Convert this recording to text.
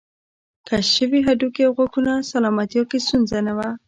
کشف شوي هډوکي او غاښونه سلامتیا کې ستونزه نه وه